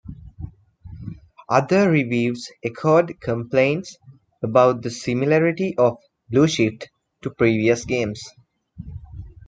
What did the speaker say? Other reviews echoed complaints about the similarity of "Blue Shift" to previous games.